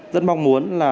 rất mong muốn là